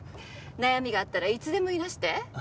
悩みがあったらいつでもいらして。